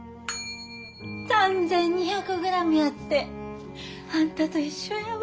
３，２００グラムやってあんたと一緒やわ。